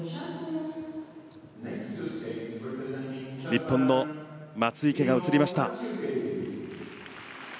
日本の松生が映りました。